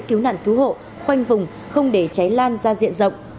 cứu nạn cứu hộ khoanh vùng không để cháy lan ra diện rộng